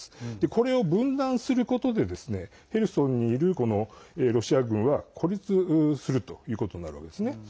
これを分断することでヘルソンにいるロシア軍は孤立するということになるわけですね。